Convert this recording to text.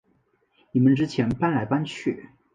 你们之前搬来搬去